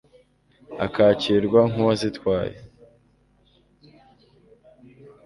akakirwa nk'uwazitwaye